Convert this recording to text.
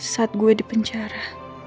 saat gue di penjara